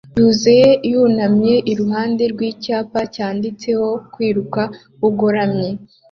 yuzuye yunamye iruhande rwicyapa cyanditseho "Kwiruka bugoramye"